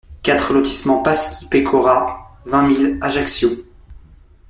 quatre lotissement Pasci Pecora, vingt mille Ajaccio